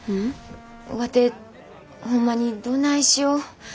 ワテホンマにどないしよう。